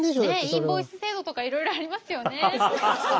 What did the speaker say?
インボイス制度とかいろいろありますよね。